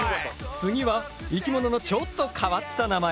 次は生き物のちょっと変わった名前。